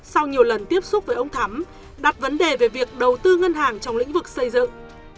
sau nhiều lần tiếp xúc với ông thắm đặt vấn đề về việc đầu tư ngân hàng trong lĩnh vực xây dựng